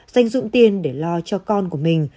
dành dụng tiền để lo cho con của mình